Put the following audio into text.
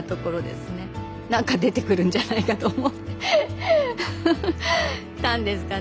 何か出てくるんじゃないかと思ったんですかね。